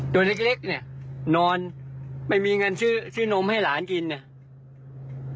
โดยเล็กเนี่ยนอนไม่มีเงินซื้อนมให้หลานกินเนี่ย